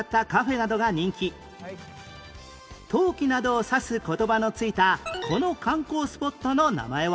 陶器などを指す言葉の付いたこの観光スポットの名前は？